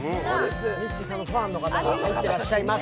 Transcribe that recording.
ミッチーさんのファンの方がいらしています。